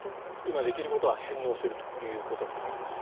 今できることは返納するということになります。